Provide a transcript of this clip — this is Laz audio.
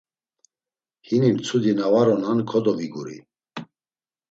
Hini mtsudi na var onan, kodoviguri.